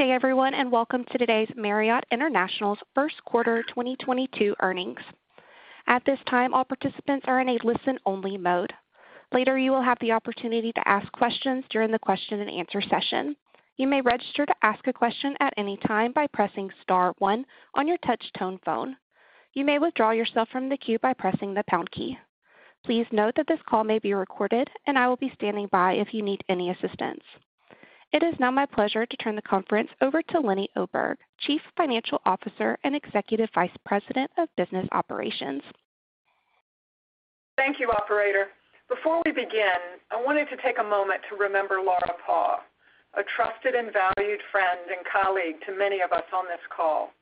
Good day, everyone, and welcome to today's Marriott International's first quarter 2022 earnings. At this time, all participants are in a listen-only mode. Later, you will have the opportunity to ask questions during the question and answer session. You may register to ask a question at any time by pressing star one on your touch tone phone. You may withdraw yourself from the queue by pressing the pound key. Please note that this call may be recorded, and I will be standing by if you need any assistance. It is now my pleasure to turn the conference over to Leeny Oberg, Chief Financial Officer and Executive Vice President of Business Operations. Thank you, operator. Before we begin, I wanted to take a moment to remember Laura Paugh, a trusted and valued friend and colleague to many of us on this call.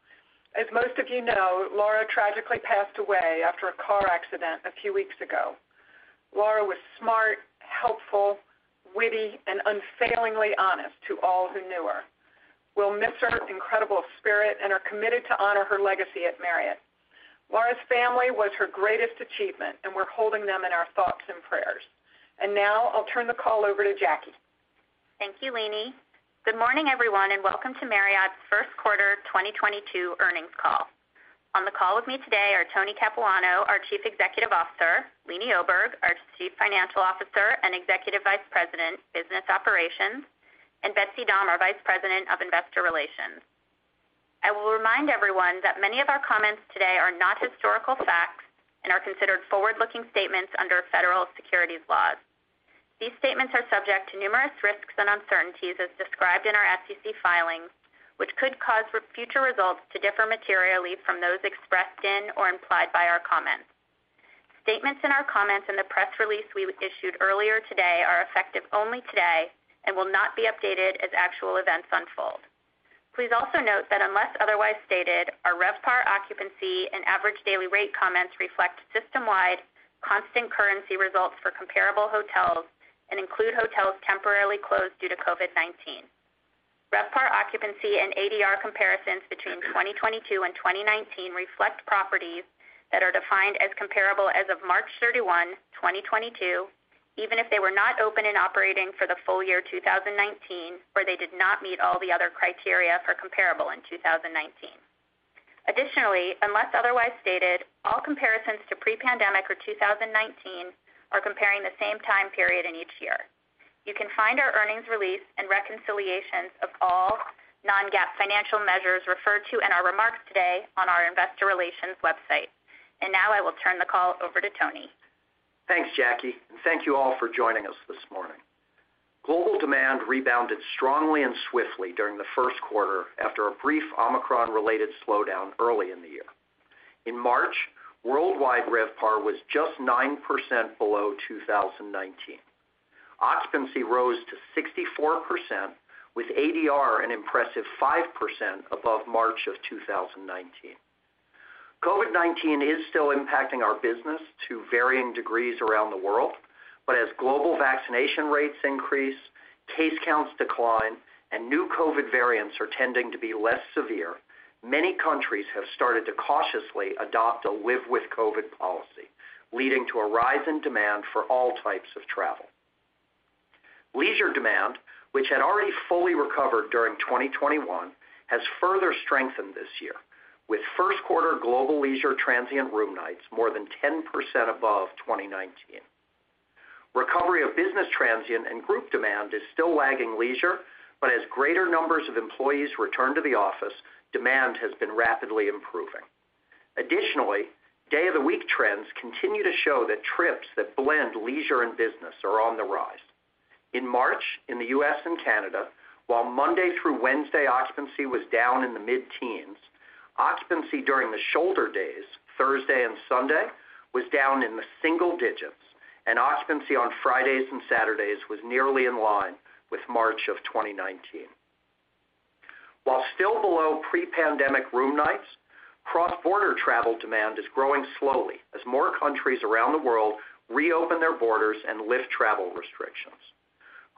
As most of you know, Laura tragically passed away after a car accident a few weeks ago. Laura was smart, helpful, witty, and unfailingly honest to all who knew her. We'll miss her incredible spirit and are committed to honor her legacy at Marriott. Laura's family was her greatest achievement, and we're holding them in our thoughts and prayers. Now I'll turn the call over to Jackie. Thank you, Leeny. Good morning, everyone, and welcome to Marriott's first quarter 2022 earnings call. On the call with me today are Tony Capuano, our Chief Executive Officer, Leeny Oberg, our Chief Financial Officer and Executive Vice President, Business Operations, and Betsy Dahm, our Vice President of Investor Relations. I will remind everyone that many of our comments today are not historical facts and are considered forward-looking statements under federal securities laws. These statements are subject to numerous risks and uncertainties as described in our SEC filings, which could cause future results to differ materially from those expressed in or implied by our comments. Statements in our comments in the press release we issued earlier today are effective only today and will not be updated as actual events unfold. Please also note that unless otherwise stated, our RevPAR occupancy and average daily rate comments reflect system-wide constant currency results for comparable hotels and include hotels temporarily closed due to COVID-19. RevPAR occupancy and ADR comparisons between 2022 and 2019 reflect properties that are defined as comparable as of March 31, 2022, even if they were not open and operating for the full year 2019, or they did not meet all the other criteria for comparable in 2019. Additionally, unless otherwise stated, all comparisons to pre-pandemic or 2019 are comparing the same time period in each year. You can find our earnings release and reconciliations of all non-GAAP financial measures referred to in our remarks today on our investor relations website. Now I will turn the call over to Tony. Thanks, Jackie, and thank you all for joining us this morning. Global demand rebounded strongly and swiftly during the first quarter after a brief Omicron-related slowdown early in the year. In March, worldwide RevPAR was just 9% below 2019. Occupancy rose to 64%, with ADR an impressive 5% above March 2019. COVID-19 is still impacting our business to varying degrees around the world. As global vaccination rates increase, case counts decline, and new COVID variants are tending to be less severe, many countries have started to cautiously adopt a live with COVID policy, leading to a rise in demand for all types of travel. Leisure demand, which had already fully recovered during 2021, has further strengthened this year, with first quarter global leisure transient room nights more than 10% above 2019. Recovery of business transient and group demand is still lagging leisure, but as greater numbers of employees return to the office, demand has been rapidly improving. Additionally, day of the week trends continue to show that trips that blend leisure and business are on the rise. In March, in the U.S. and Canada, while Monday through Wednesday occupancy was down in the mid-teens, occupancy during the shoulder days, Thursday and Sunday, was down in the single digits, and occupancy on Fridays and Saturdays was nearly in line with March 2019. While still below pre-pandemic room nights, cross-border travel demand is growing slowly as more countries around the world reopen their borders and lift travel restrictions.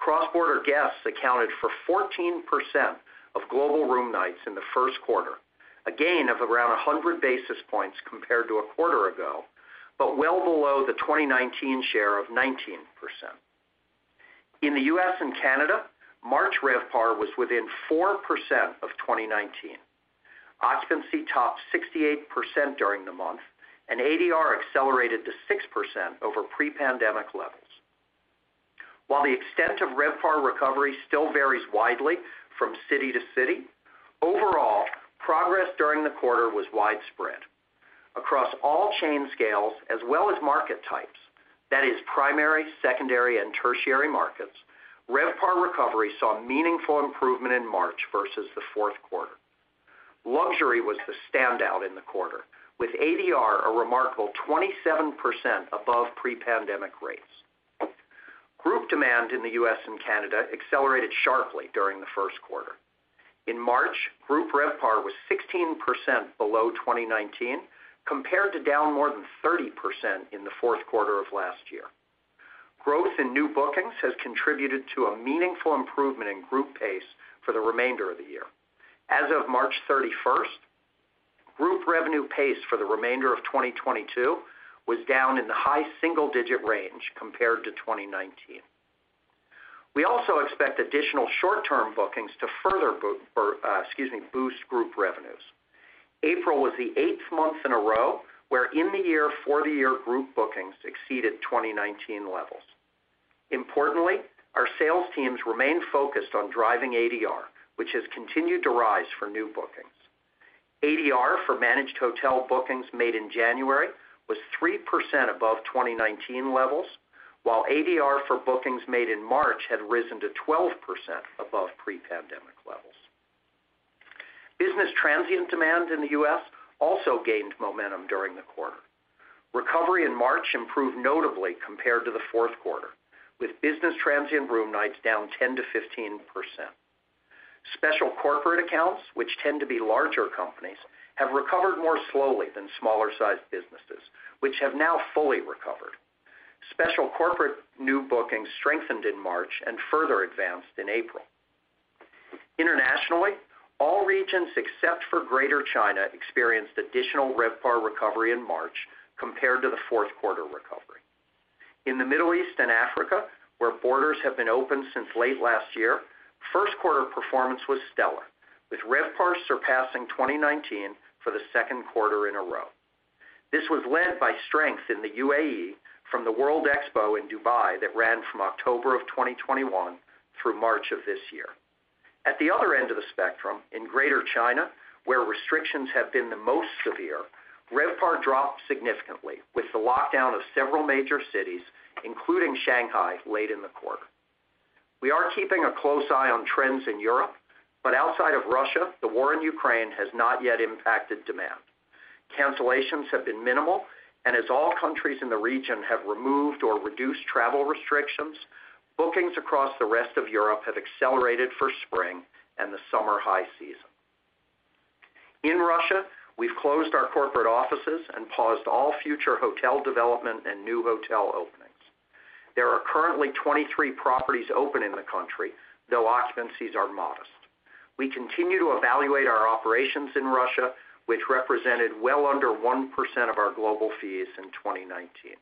Cross-border guests accounted for 14% of global room nights in the first quarter, a gain of around 100 basis points compared to a quarter ago, but well below the 2019 share of 19%. In the U.S. and Canada, March RevPAR was within 4% of 2019. Occupancy topped 68% during the month, and ADR accelerated to 6% over pre-pandemic levels. While the extent of RevPAR recovery still varies widely from city to city, overall, progress during the quarter was widespread. Across all chain scales as well as market types, that is primary, secondary, and tertiary markets, RevPAR recovery saw meaningful improvement in March versus the fourth quarter. Luxury was the standout in the quarter, with ADR a remarkable 27% above pre-pandemic rates. Group demand in the U.S. and Canada accelerated sharply during the first quarter. In March, group RevPAR was 16% below 2019, compared to down more than 30% in the fourth quarter of last year. Growth in new bookings has contributed to a meaningful improvement in group pace for the remainder of the year. As of March 31st, group revenue pace for the remainder of 2022 was down in the high single digit range compared to 2019. We also expect additional short-term bookings to further boost group revenues. April was the eighth month in a row where in the year, for the year group bookings exceeded 2019 levels. Importantly, our sales teams remain focused on driving ADR, which has continued to rise for new bookings. ADR for managed hotel bookings made in January was 3% above 2019 levels, while ADR for bookings made in March had risen to 12% above pre-pandemic levels. Business transient demand in the U.S. also gained momentum during the quarter. Recovery in March improved notably compared to the fourth quarter, with business transient room nights down 10%-15%. Special corporate accounts, which tend to be larger companies, have recovered more slowly than smaller sized businesses, which have now fully recovered. Special corporate new bookings strengthened in March and further advanced in April. Internationally, all regions except for Greater China experienced additional RevPAR recovery in March compared to the fourth quarter recovery. In the Middle East and Africa, where borders have been open since late last year, first quarter performance was stellar, with RevPAR surpassing 2019 for the second quarter in a row. This was led by strength in the UAE from the World Expo in Dubai that ran from October of 2021 through March of this year. At the other end of the spectrum, in Greater China, where restrictions have been the most severe, RevPAR dropped significantly with the lockdown of several major cities, including Shanghai, late in the quarter. We are keeping a close eye on trends in Europe, but outside of Russia, the war in Ukraine has not yet impacted demand. Cancellations have been minimal, and as all countries in the region have removed or reduced travel restrictions, bookings across the rest of Europe have accelerated for spring and the summer high season. In Russia, we've closed our corporate offices and paused all future hotel development and new hotel openings. There are currently 23 properties open in the country, though occupancies are modest. We continue to evaluate our operations in Russia, which represented well under 1% of our global fees in 2019.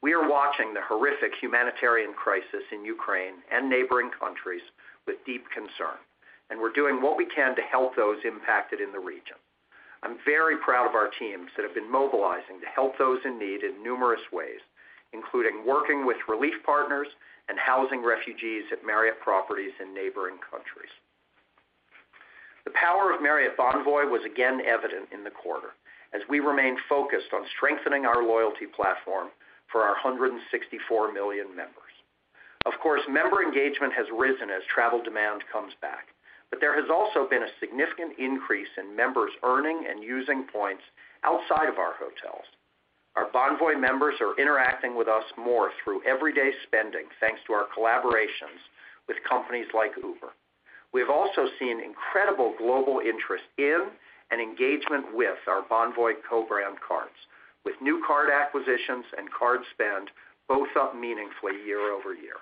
We are watching the horrific humanitarian crisis in Ukraine and neighboring countries with deep concern, and we're doing what we can to help those impacted in the region. I'm very proud of our teams that have been mobilizing to help those in need in numerous ways, including working with relief partners and housing refugees at Marriott properties in neighboring countries. The power of Marriott Bonvoy was again evident in the quarter as we remain focused on strengthening our loyalty platform for our 164 million members. Of course, member engagement has risen as travel demand comes back, but there has also been a significant increase in members earning and using points outside of our hotels. Our Bonvoy members are interacting with us more through everyday spending, thanks to our collaborations with companies like Uber. We have also seen incredible global interest in and engagement with our Bonvoy co-brand cards, with new card acquisitions and card spend both up meaningfully year over year.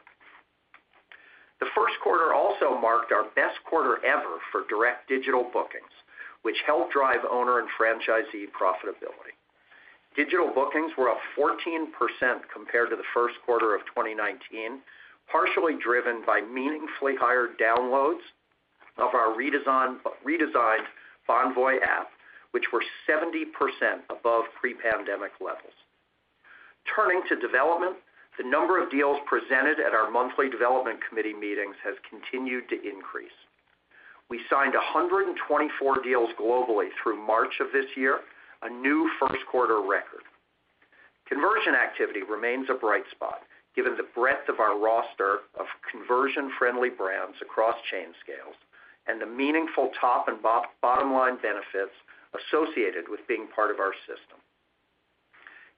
The first quarter also marked our best quarter ever for direct digital bookings, which helped drive owner and franchisee profitability. Digital bookings were up 14% compared to the first quarter of 2019, partially driven by meaningfully higher downloads of our redesigned Bonvoy app, which were 70% above pre-pandemic levels. Turning to development, the number of deals presented at our monthly development committee meetings has continued to increase. We signed 124 deals globally through March of this year, a new first quarter record. Conversion activity remains a bright spot given the breadth of our roster of conversion-friendly brands across chain scales and the meaningful top and bottom-line benefits associated with being part of our system.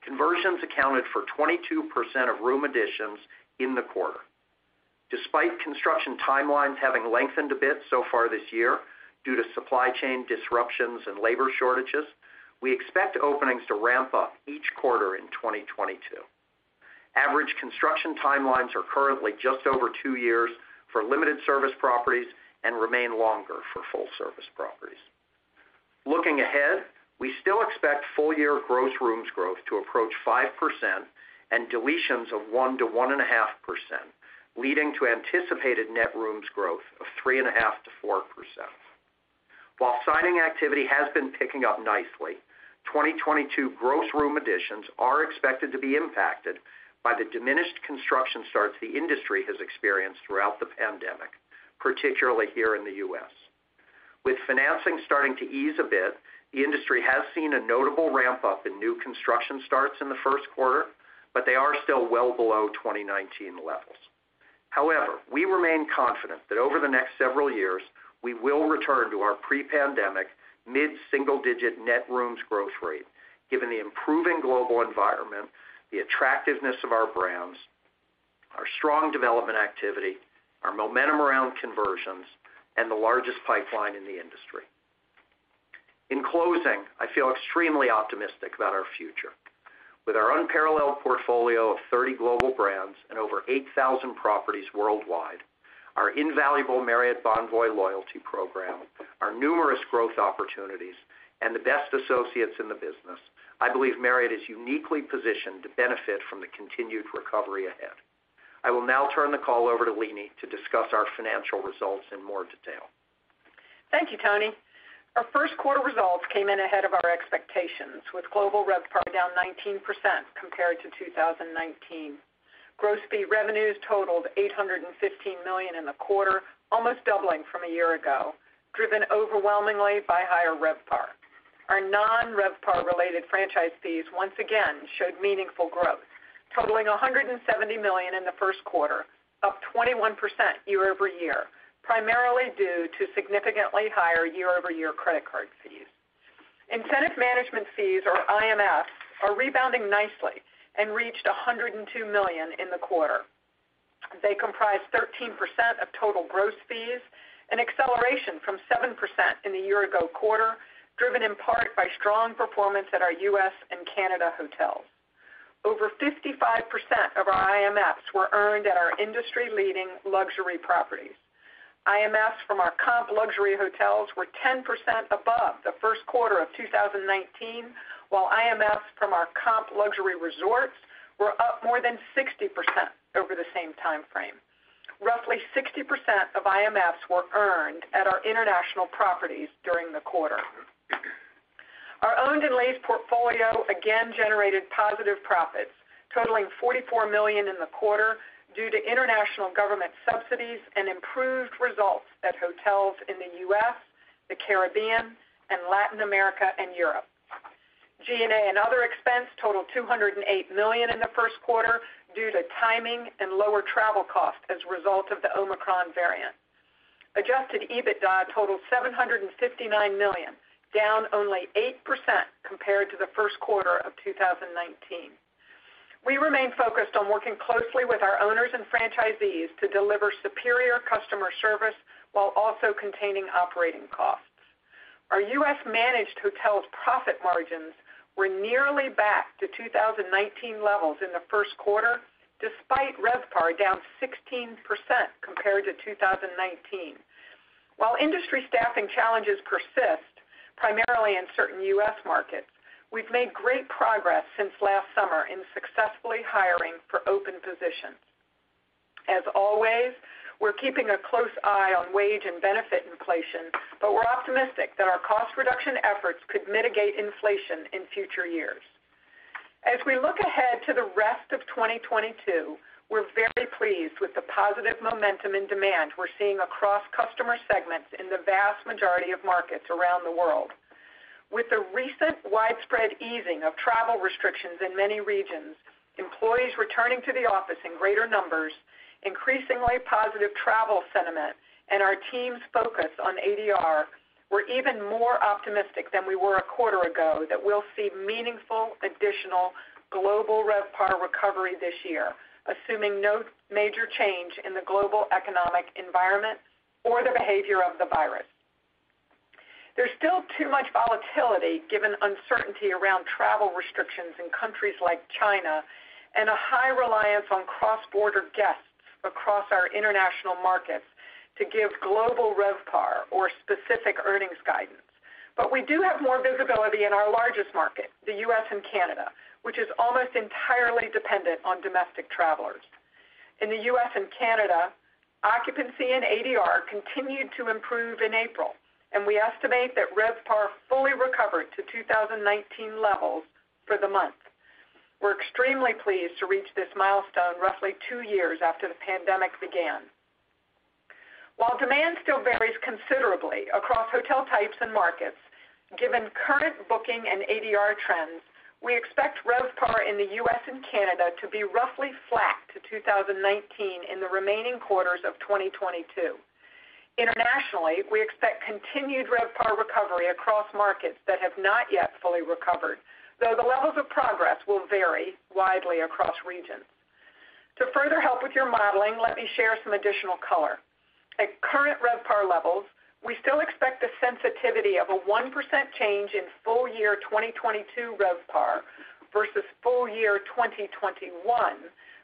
Conversions accounted for 22% of room additions in the quarter. Despite construction timelines having lengthened a bit so far this year due to supply chain disruptions and labor shortages, we expect openings to ramp up each quarter in 2022. Average construction timelines are currently just over two years for limited-service properties and remain longer for full-service properties. Looking ahead, we still expect full year gross rooms growth to approach 5% and deletions of 1%-1.5%, leading to anticipated net rooms growth of 3.5%-4%. While signing activity has been picking up nicely, 2022 gross room additions are expected to be impacted by the diminished construction starts the industry has experienced throughout the pandemic, particularly here in the U.S. With financing starting to ease a bit, the industry has seen a notable ramp up in new construction starts in the first quarter, but they are still well below 2019 levels. However, we remain confident that over the next several years, we will return to our pre-pandemic mid-single-digit net rooms growth rate given the improving global environment, the attractiveness of our brands, our strong development activity, our momentum around conversions, and the largest pipeline in the industry. In closing, I feel extremely optimistic about our future. With our unparalleled portfolio of 30 global brands and over 8,000 properties worldwide, our invaluable Marriott Bonvoy loyalty program, our numerous growth opportunities, and the best associates in the business, I believe Marriott is uniquely positioned to benefit from the continued recovery ahead. I will now turn the call over to Leeny to discuss our financial results in more detail. Thank you, Tony. Our first quarter results came in ahead of our expectations, with global RevPAR down 19% compared to 2019. Gross fee revenues totaled $815 million in the quarter, almost doubling from a year ago, driven overwhelmingly by higher RevPAR. Our non-RevPAR related franchise fees once again showed meaningful growth, totaling $170 million in the first quarter, up 21% year-over-year, primarily due to significantly higher year-over-year credit card fees. Incentive management fees, or IMFs, are rebounding nicely and reached $102 million in the quarter. They comprise 13% of total gross fees, an acceleration from 7% in the year ago quarter, driven in part by strong performance at our U.S. and Canada hotels. Over 55% of our IMFs were earned at our industry-leading luxury properties. IMFs from our comp luxury hotels were 10% above the first quarter of 2019, while IMFs from our comp luxury resorts were up more than 60% over the same time frame. Roughly 60% of IMFs were earned at our international properties during the quarter. Our owned and leased portfolio again generated positive profits totaling $44 million in the quarter due to international government subsidies and improved results at hotels in the U.S., the Caribbean, and Latin America and Europe. G&A and other expense totaled $208 million in the first quarter due to timing and lower travel costs as a result of the Omicron variant. Adjusted EBITDA totaled $759 million, down only 8% compared to the first quarter of 2019. We remain focused on working closely with our owners and franchisees to deliver superior customer service while also containing operating costs. Our U.S. managed hotels profit margins were nearly back to 2019 levels in the first quarter, despite RevPAR down 16% compared to 2019. While industry staffing challenges persist, primarily in certain U.S. markets, we've made great progress since last summer in successfully hiring for open positions. As always, we're keeping a close eye on wage and benefit inflation, but we're optimistic that our cost reduction efforts could mitigate inflation in future years. As we look ahead to the rest of 2022, we're very pleased with the positive momentum and demand we're seeing across customer segments in the vast majority of markets around the world. With the recent widespread easing of travel restrictions in many regions, employees returning to the office in greater numbers, increasingly positive travel sentiment, and our team's focus on ADR, we're even more optimistic than we were a quarter ago that we'll see meaningful additional global RevPAR recovery this year, assuming no major change in the global economic environment or the behavior of the virus. There's still too much volatility given uncertainty around travel restrictions in countries like China and a high reliance on cross-border guests across our international markets to give global RevPAR or specific earnings guidance. We do have more visibility in our largest market, the U.S. and Canada, which is almost entirely dependent on domestic travelers. In the U.S. and Canada, occupancy and ADR continued to improve in April, and we estimate that RevPAR fully recovered to 2019 levels for the month. We're extremely pleased to reach this milestone roughly two years after the pandemic began. While demand still varies considerably across hotel types and markets, given current booking and ADR trends, we expect RevPAR in the US and Canada to be roughly flat to 2019 in the remaining quarters of 2022. Internationally, we expect continued RevPAR recovery across markets that have not yet fully recovered, though the levels of progress will vary widely across regions. To further help with your modeling, let me share some additional color. At current RevPAR levels, we still expect the sensitivity of a 1% change in full year 2022 RevPAR versus full year 2021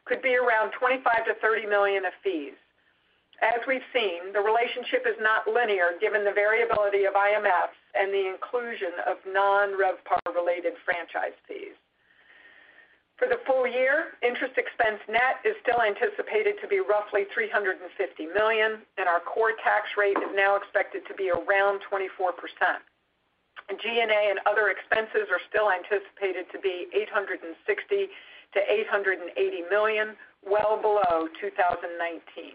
could be around $25 million-$30 million of fees. As we've seen, the relationship is not linear given the variability of IMFs and the inclusion of non-RevPAR related franchise fees. For the full year, interest expense net is still anticipated to be roughly $350 million, and our core tax rate is now expected to be around 24%. G&A and other expenses are still anticipated to be $860 million-$880 million, well below 2019.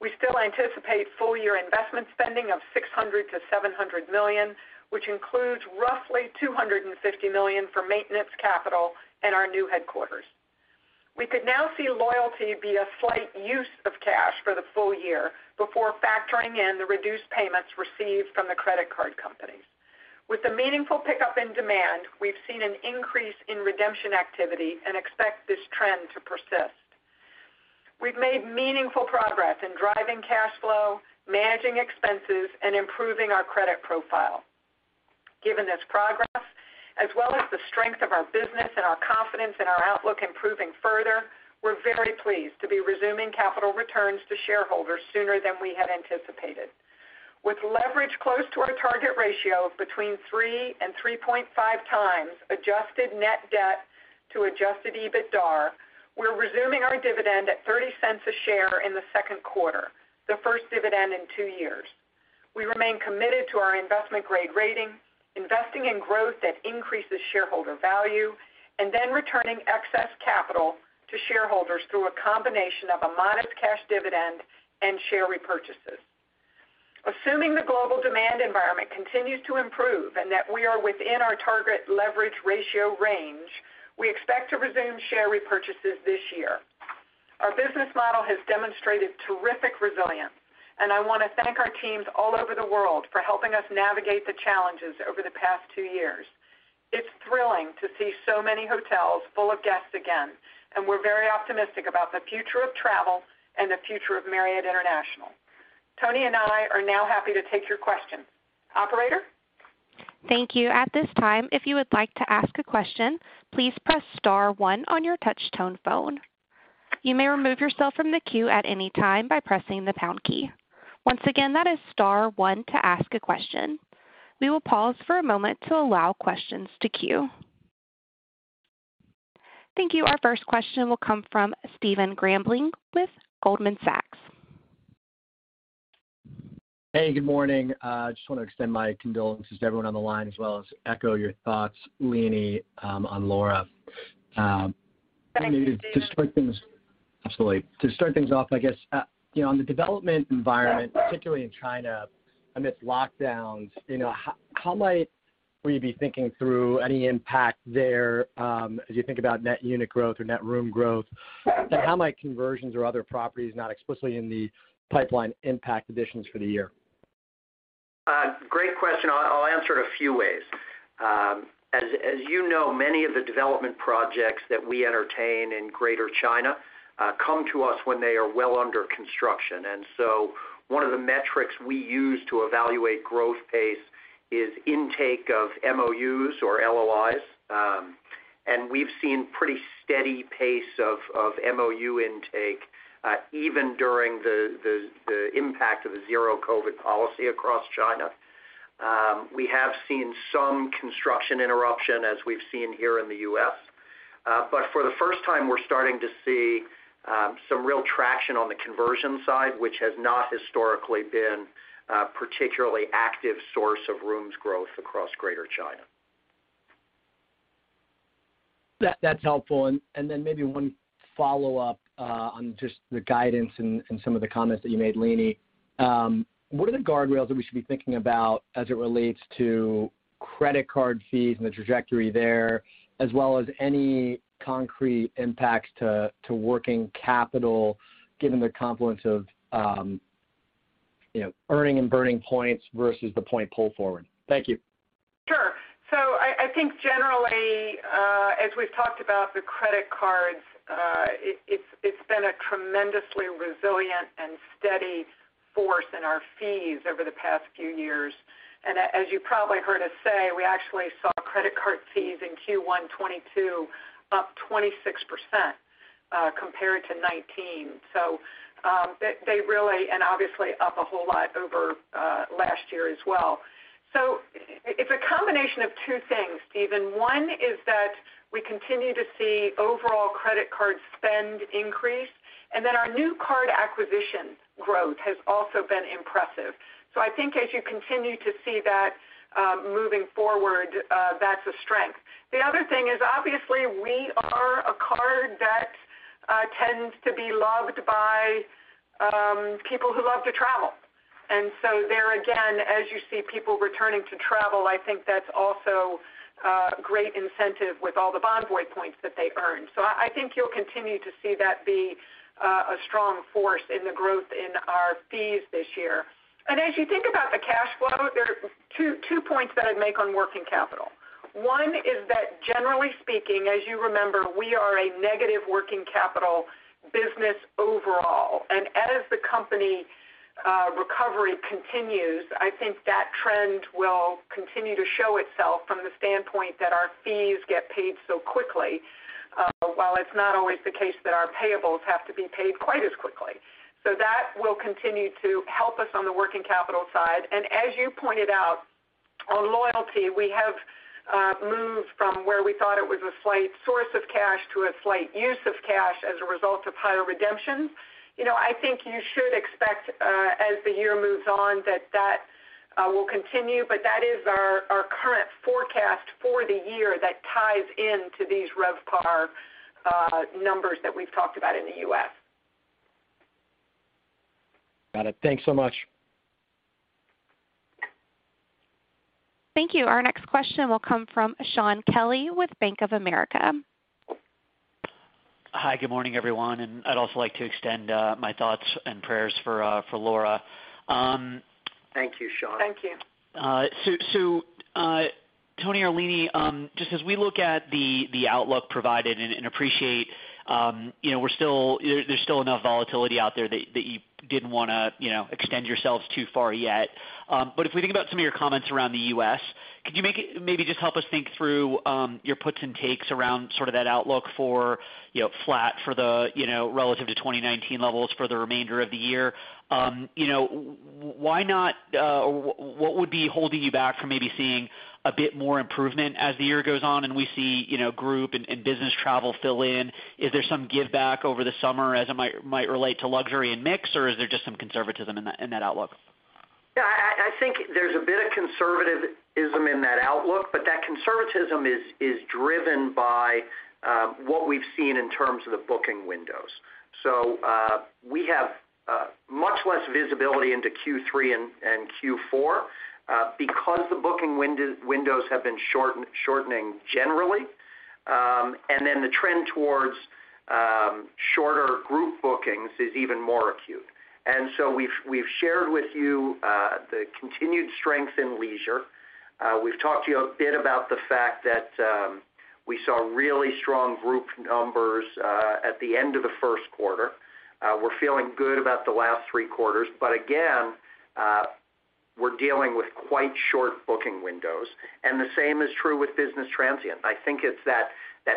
We still anticipate full-year investment spending of $600 million-$700 million, which includes roughly $250 million for maintenance, capital, and our new headquarters. We could now see loyalty be a slight use of cash for the full year before factoring in the reduced payments received from the credit card companies. With the meaningful pickup in demand, we've seen an increase in redemption activity and expect this trend to persist. We've made meaningful progress in driving cash flow, managing expenses, and improving our credit profile. Given this progress, as well as the strength of our business and our confidence in our outlook improving further, we're very pleased to be resuming capital returns to shareholders sooner than we had anticipated. With leverage close to our target ratio of between 3x and 3.5x adjusted net debt to adjusted EBITDAR, we're resuming our dividend at $0.30 a share in the second quarter, the first dividend in two years. We remain committed to our investment grade rating, investing in growth that increases shareholder value, and then returning excess capital to shareholders through a combination of a modest cash dividend and share repurchases. Assuming the global demand environment continues to improve and that we are within our target leverage ratio range, we expect to resume share repurchases this year. Our business model has demonstrated terrific resilience, and I wanna thank our teams all over the world for helping us navigate the challenges over the past two years. It's thrilling to see so many hotels full of guests again, and we're very optimistic about the future of travel and the future of Marriott International. Tony and I are now happy to take your questions. Operator? Thank you. At this time, if you would like to ask a question, please press star one on your touch tone phone. You may remove yourself from the queue at any time by pressing the pound key. Once again, that is star one to ask a question. We will pause for a moment to allow questions to queue. Thank you. Our first question will come from Stephen Grambling with Goldman Sachs. Hey, good morning. Just wanna extend my condolences to everyone on the line as well as echo your thoughts, Leeny, on Laura. Thank you, Stephen. Absolutely. To start things off, I guess, you know, on the development environment, particularly in China amidst lockdowns, you know, how might we be thinking through any impact there, as you think about net unit growth or net room growth? How might conversions or other properties not explicitly in the pipeline impact additions for the year? Great question. I'll answer it a few ways. As you know, many of the development projects that we entertain in Greater China come to us when they are well under construction. One of the metrics we use to evaluate growth pace is intake of MOUs or LOIs. We've seen pretty steady pace of MOU intake even during the impact of the Zero-COVID policy across China. We have seen some construction interruption as we've seen here in the U.S. But for the first time, we're starting to see some real traction on the conversion side, which has not historically been a particularly active source of rooms growth across Greater China. That's helpful. Then maybe one follow-up on just the guidance and some of the comments that you made, Leeny. What are the guardrails that we should be thinking about as it relates to credit card fees and the trajectory there, as well as any concrete impacts to working capital given the confluence of you know, earning and burning points versus the point pull forward? Thank you. Sure. I think generally, as we've talked about the credit cards, it's been a tremendously resilient and steady force in our fees over the past few years. As you probably heard us say, we actually saw credit card fees in Q1 2022 up 26%, compared to 2019. They really and obviously up a whole lot over last year as well. It's a combination of two things, Stephen. One is that we continue to see overall credit card spend increase, and then our new card acquisition growth has also been impressive. I think as you continue to see that moving forward, that's a strength. The other thing is, obviously, we are a card that tends to be loved by people who love to travel. There again, as you see people returning to travel, I think that's also a great incentive with all the Bonvoy points that they earn. I think you'll continue to see that be a strong force in the growth in our fees this year. As you think about the cash flow, there are two points that I'd make on working capital. One is that generally speaking, as you remember, we are a negative working capital business overall. As the company recovery continues, I think that trend will continue to show itself from the standpoint that our fees get paid so quickly, while it's not always the case that our payables have to be paid quite as quickly. That will continue to help us on the working capital side. As you pointed out, on loyalty, we have moved from where we thought it was a slight source of cash to a slight use of cash as a result of higher redemption. You know, I think you should expect as the year moves on, that will continue, but that is our current forecast for the year that ties into these RevPAR numbers that we've talked about in the US. Got it. Thanks so much. Thank you. Our next question will come from Shaun Kelley with Bank of America. Hi, good morning, everyone. I'd also like to extend my thoughts and prayers for Laura. Thank you, Shaun. Thank you. So Tony or Leeny, just as we look at the outlook provided and appreciate, you know, we're still. There's still enough volatility out there that you didn't wanna, you know, extend yourselves too far yet. But if we think about some of your comments around the U.S., could you maybe just help us think through your puts and takes around sort of that outlook for, you know, flat relative to 2019 levels for the remainder of the year. You know, why not or what would be holding you back from maybe seeing a bit more improvement as the year goes on and we see, you know, group and business travel fill in? Is there some give back over the summer as it might relate to luxury and mix, or is there just some conservatism in that outlook? Yeah. I think there's a bit of conservatism in that outlook, but that conservatism is driven by what we've seen in terms of the booking windows. We have much less visibility into Q3 and Q4 because the booking windows have been shortening generally. The trend towards shorter group bookings is even more acute. We've shared with you the continued strength in leisure. We've talked to you a bit about the fact that we saw really strong group numbers at the end of the first quarter. We're feeling good about the last three quarters, but again, we're dealing with quite short booking windows, and the same is true with business transient. I think it's that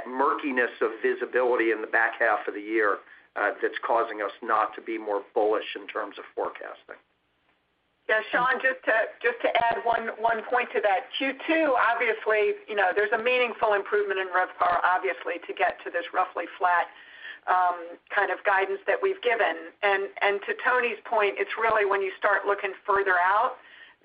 murkiness of visibility in the back half of the year, that's causing us not to be more bullish in terms of forecasting. Yeah. Shaun, just to add one point to that. Q2, obviously, you know, there's a meaningful improvement in RevPAR, obviously, to get to this roughly flat kind of guidance that we've given. To Tony's point, it's really when you start looking further out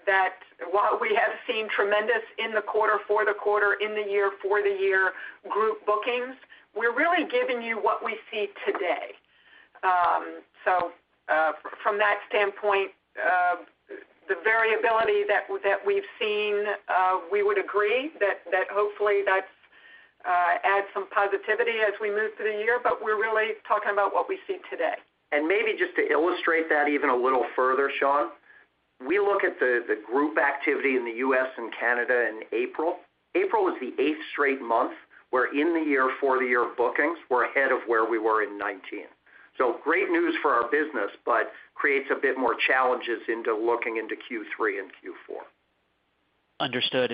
that while we have seen tremendous in the quarter for the quarter, in the year for the year group bookings, we're really giving you what we see today. From that standpoint, the variability that we've seen, we would agree that hopefully that's adds some positivity as we move through the year, but we're really talking about what we see today. Maybe just to illustrate that even a little further, Shaun. We look at the group activity in the U.S. and Canada in April. April is the eighth straight month, where year-over-year bookings were ahead of where we were in 2019. Great news for our business, but creates a bit more challenges into looking into Q3 and Q4. Understood.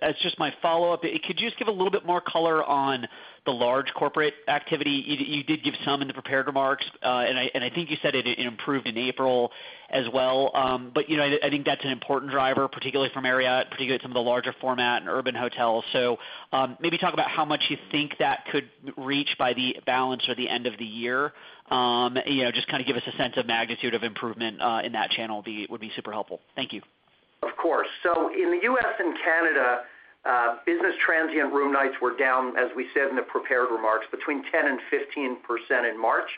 As just my follow-up, could you just give a little bit more color on the large corporate activity? You did give some in the prepared remarks, and I think you said it improved in April as well. You know, I think that's an important driver, particularly from Marriott, particularly some of the larger format and urban hotels. Maybe talk about how much you think that could reach by the back half or the end of the year. You know, just kind of give us a sense of magnitude of improvement in that channel would be super helpful. Thank you. Of course. In the US and Canada, business transient room nights were down, as we said in the prepared remarks, between 10% and 15% in March.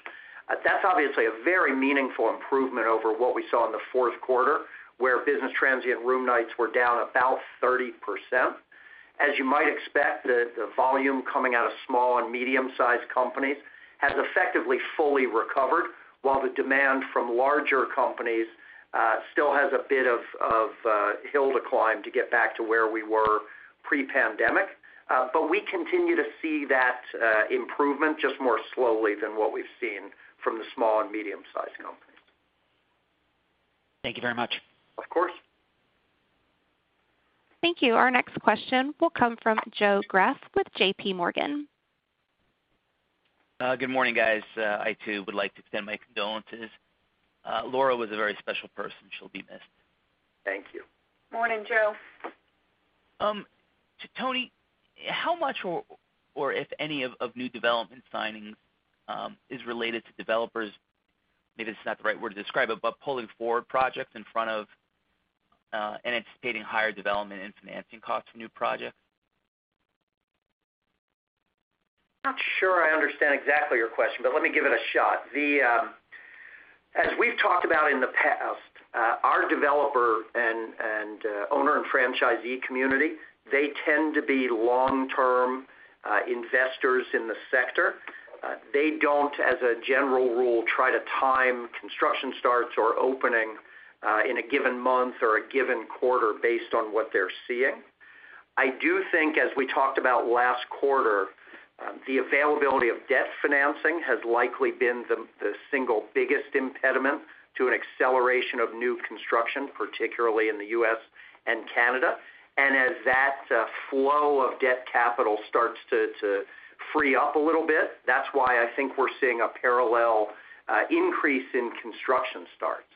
That's obviously a very meaningful improvement over what we saw in the fourth quarter, where business transient room nights were down about 30%. As you might expect, the volume coming out of small and medium sized companies has effectively fully recovered, while the demand from larger companies still has a bit of a hill to climb to get back to where we were pre-pandemic. But we continue to see that improvement just more slowly than what we've seen from the small and medium sized companies. Thank you very much. Of course. Thank you. Our next question will come from Joe Greff with J.P. Morgan. Good morning, guys. I too would like to extend my condolences. Laura was a very special person. She'll be missed. Thank you. Morning, Joe. Tony, how much or if any of new development signings is related to developers, maybe this is not the right word to describe it, but pulling forward projects in front of and anticipating higher development and financing costs for new projects? Not sure I understand exactly your question, but let me give it a shot. As we've talked about in the past, our developer and owner and franchisee community, they tend to be long-term investors in the sector. They don't, as a general rule, try to time construction starts or opening in a given month or a given quarter based on what they're seeing. I do think, as we talked about last quarter, the availability of debt financing has likely been the single biggest impediment to an acceleration of new construction, particularly in the US and Canada. As that flow of debt capital starts to free up a little bit, that's why I think we're seeing a parallel increase in construction starts.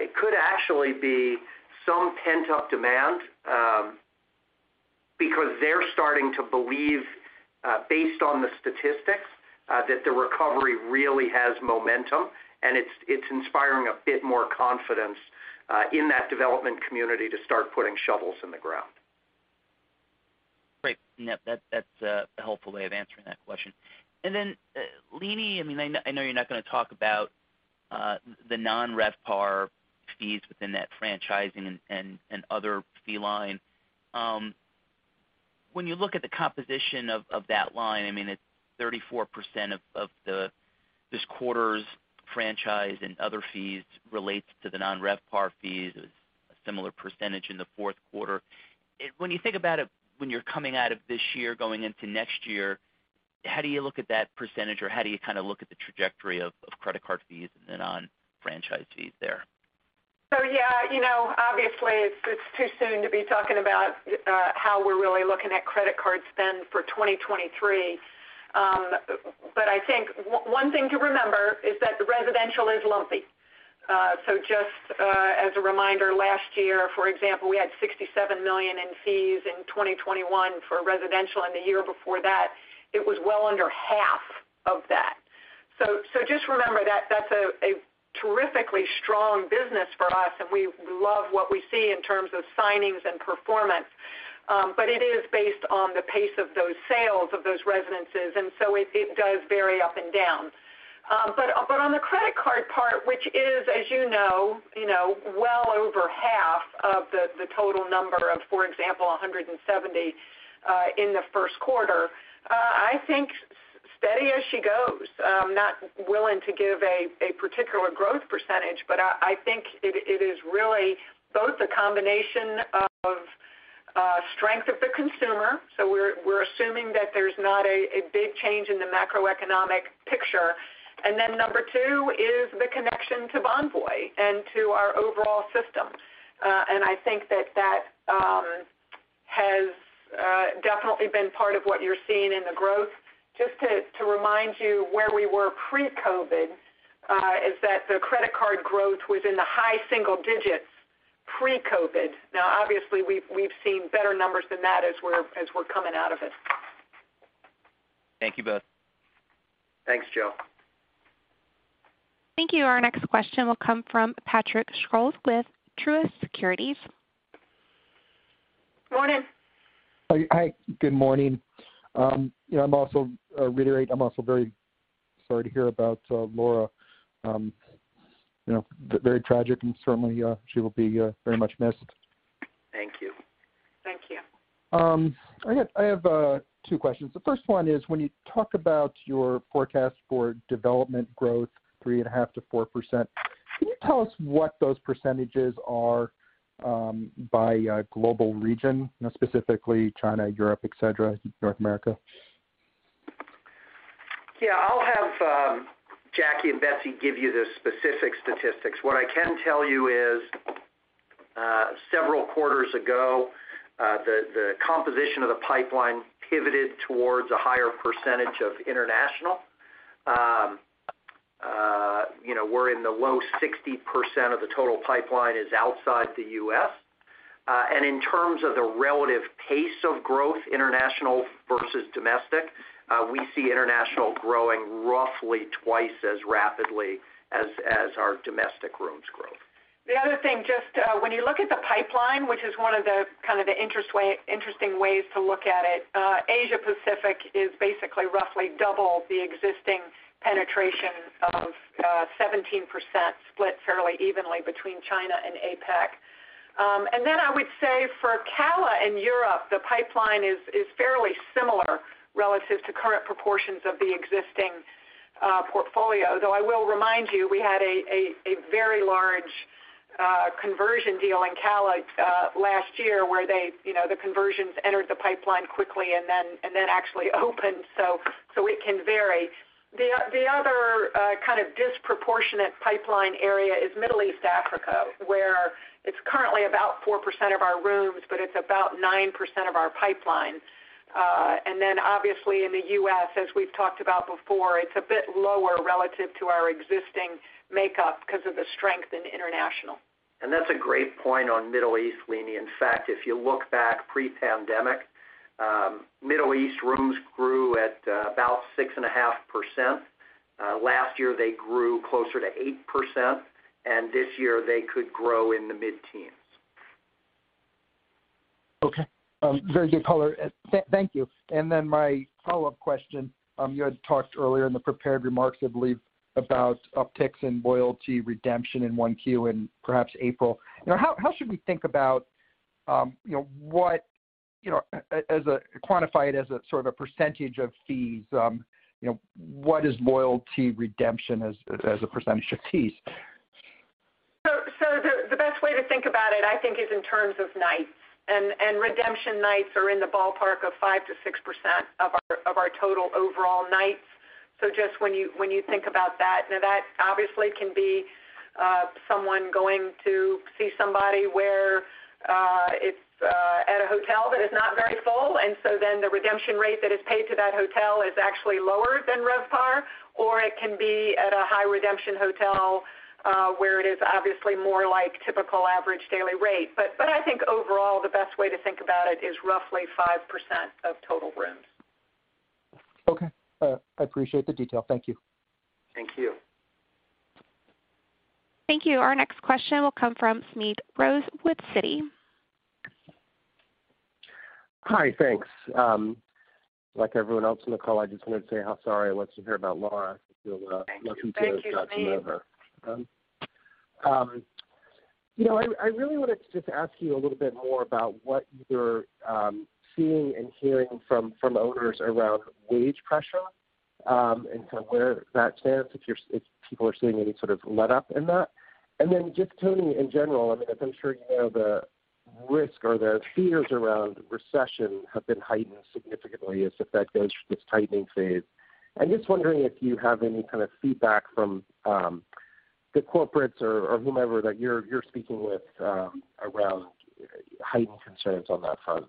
It could actually be some pent-up demand, because they're starting to believe, based on the statistics, that the recovery really has momentum, and it's inspiring a bit more confidence in that development community to start putting shovels in the ground. Great. That's a helpful way of answering that question. Then, Leeny, I mean, I know you're not gonna talk about the non-RevPAR fees within that franchising and other fee line. When you look at the composition of that line, I mean, it's 34% of the. This quarter's franchise and other fees relates to the non-RevPAR fees, a similar percentage in the fourth quarter. When you think about it, when you're coming out of this year, going into next year, how do you look at that percentage? Or how do you kind of look at the trajectory of credit card fees and the non-franchise fees there? Yeah, you know, obviously it's too soon to be talking about how we're really looking at credit card spend for 2023. I think one thing to remember is that the residential is lumpy. Just as a reminder, last year, for example, we had $67 million in fees in 2021 for residential, and the year before that, it was well under half of that. Just remember that that's a terrifically strong business for us, and we love what we see in terms of signings and performance. It is based on the pace of those sales of those residences. It does vary up and down. On the credit card part, which is, as you know, well over half of the total number of, for example, 170 in the first quarter. I think steady as she goes. I'm not willing to give a particular growth percentage, but I think it is really both a combination of strength of the consumer. We're assuming that there's not a big change in the macroeconomic picture. Then number two is the connection to Bonvoy and to our overall system. I think that has definitely been part of what you're seeing in the growth. Just to remind you where we were pre-COVID is that the credit card growth was in the high single digits pre-COVID. Now, obviously, we've seen better numbers than that as we're coming out of it. Thank you both. Thanks, Joe. Thank you. Our next question will come from Patrick Scholes with Truist Securities. Morning. Hi. Good morning. You know, I'm also very sorry to hear about Laura. You know, very tragic, and certainly she will be very much missed. Thank you. Thank you. I have two questions. The first one is, when you talk about your forecast for development growth, 3.5%-4%, can you tell us what those percentages are, by global region, you know, specifically China, Europe, et cetera, North America? Yeah. I'll have Jackie and Betsy give you the specific statistics. What I can tell you is, several quarters ago, the composition of the pipeline pivoted towards a higher percentage of international. You know, we're in the low 60% of the total pipeline is outside the US. In terms of the relative pace of growth, international versus domestic, we see international growing roughly twice as rapidly as our domestic rooms growth. The other thing, just, when you look at the pipeline, which is one of the kind of interesting ways to look at it, Asia Pacific is basically roughly double the existing penetration of 17% split fairly evenly between China and APAC. And then I would say for CALA and Europe, the pipeline is fairly similar relative to current proportions of the existing portfolio. Though I will remind you, we had a very large conversion deal in CALA last year where they, you know, the conversions entered the pipeline quickly and then actually opened, so it can vary. The other kind of disproportionate pipeline area is Middle East Africa, where it's currently about 4% of our rooms, but it's about 9% of our pipeline. Obviously in the U.S., as we've talked about before, it's a bit lower relative to our existing makeup because of the strength in international. That's a great point on Middle East, Leeny. In fact, if you look back pre-pandemic, Middle East rooms grew at about 6.5%. Last year, they grew closer to 8%, and this year, they could grow in the mid-teens. Okay. Very good color. Thank you. My follow-up question, you had talked earlier in the prepared remarks, I believe, about upticks in loyalty redemption in Q1 in perhaps April. You know, how should we think about, you know, what, you know, quantify it as a sort of a percentage of fees? You know, what is loyalty redemption as a percentage of fees? The best way to think about it, I think, is in terms of nights. Redemption nights are in the ballpark of 5%-6% of our total overall nights. Just when you think about that. Now, that obviously can be someone going to see somebody where it's at a hotel that is not very full, and so then the redemption rate that is paid to that hotel is actually lower than RevPAR, or it can be at a high redemption hotel where it is obviously more like typical average daily rate. I think overall, the best way to think about it is roughly 5% of total rooms. Okay. I appreciate the detail. Thank you. Thank you. Thank you. Our next question will come from Smedes Rose with Citi. Hi. Thanks. Like everyone else in the call, I just wanted to say how sorry I was to hear about Laura. Feel lucky to have gotten to know her. Thank you. Thank you, Smedes. You know, I really wanted to just ask you a little bit more about what you're seeing and hearing from owners around wage pressure, and kind of where that stands if people are seeing any sort of letup in that. Just, Tony, in general, I mean, as I'm sure you know, the risk or the fears around recession have been heightened significantly as the Fed goes through this tightening phase. I'm just wondering if you have any kind of feedback from the corporates or whomever that you're speaking with around heightened concerns on that front.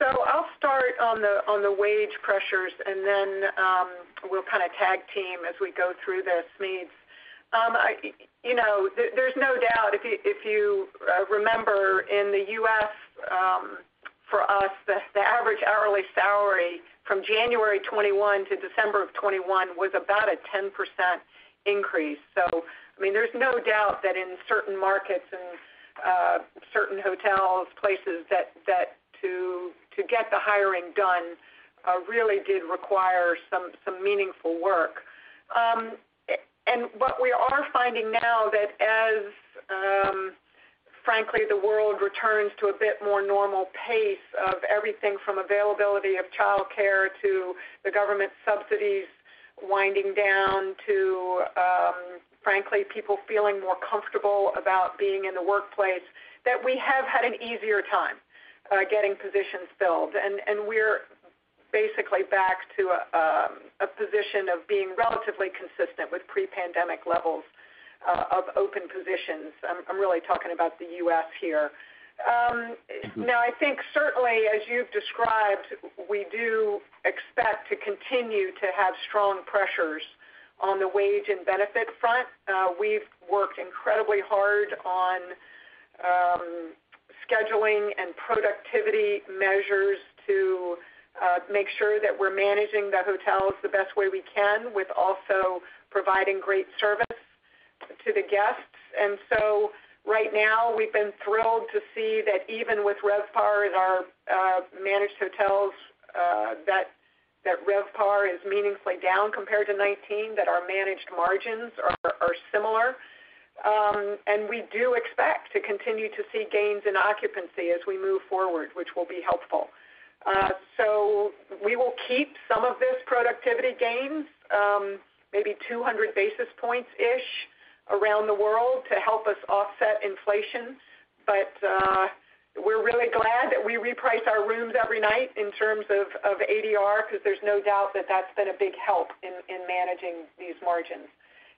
I'll start on the wage pressures, and then we'll kind of tag team as we go through this, Smedes. You know, there's no doubt if you remember in the U.S., for us, the average hourly salary from January 2021 to December 2021 was about a 10% increase. I mean, there's no doubt that in certain markets and certain hotels, places to get the hiring done really did require some meaningful work. What we are finding now that as frankly the world returns to a bit more normal pace of everything from availability of childcare to the government subsidies winding down to frankly people feeling more comfortable about being in the workplace, that we have had an easier time getting positions filled. We're basically back to a position of being relatively consistent with pre-pandemic levels of open positions. I'm really talking about the U.S. here. Now I think certainly as you've described, we do expect to continue to have strong pressures on the wage and benefit front. We've worked incredibly hard on scheduling and productivity measures to make sure that we're managing the hotels the best way we can with also providing great service to the guests. Right now, we've been thrilled to see that even with RevPAR in our managed hotels, that RevPAR is meaningfully down compared to 2019, that our managed margins are similar. We do expect to continue to see gains in occupancy as we move forward, which will be helpful. We will keep some of this productivity gains, maybe 200 basis points-ish around the world to help us offset inflation. We're really glad that we reprice our rooms every night in terms of ADR because there's no doubt that that's been a big help in managing these margins.